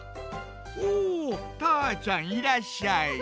おおたーちゃんいらっしゃい。